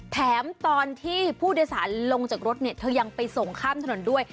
แถมตอนที่ผู้โดยสารลงจากรถเนี่ยเธอยังไปส่งข้ามถนนด้วย